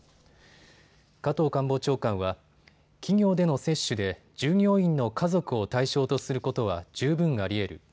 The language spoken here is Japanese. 加藤官房長官は企業での接種で従業員の家族を対象とすることは十分ありえる。